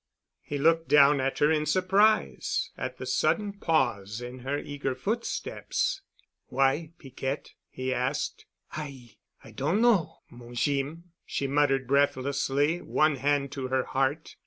He looked down at her in surprise at the sudden pause in her eager footsteps. "Why, Piquette?" he asked. "I—I don' know, mon Jeem," she muttered breathlessly, one hand to her heart.